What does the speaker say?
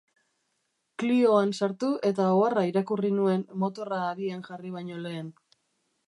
Clioan sartu eta oharra irakurri nuen motorra abian jarri baino lehen.